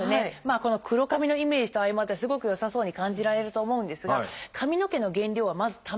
この黒髪のイメージと相まってすごく良さそうに感じられると思うんですが髪の毛の原料はまずたんぱく質です。